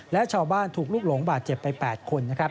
และชาวบ้านถูกลูกหลงบาดเจ็บไป๘คน